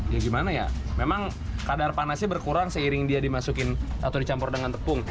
ya gimana ya memang kadar panasnya berkurang seiring dia dimasukin atau dicampur dengan tepung